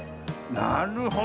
なるほど。